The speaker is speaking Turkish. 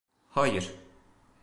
Hayir.